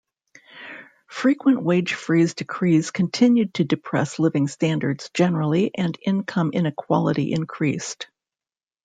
Frequent wage freeze decrees continued to depress living standards generally and income inequality increased.